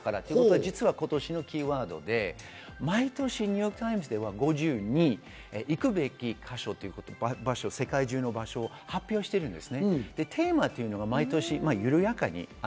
実は今年のキーワードで毎年、ニューヨーク・タイムズでは５２の行くべき箇所という場所を、世界中の場所を発表しています。